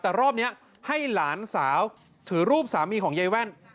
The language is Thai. แต่รอบนี้ให้หลานสาวถือรูปสามีของยายแว่น